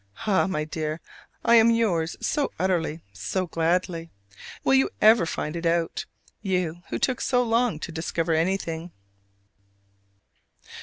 Ah, my dear, I am yours so utterly, so gladly! Will you ever find it out, you who took so long to discover anything?